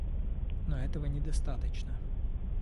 Но этого недостаточно.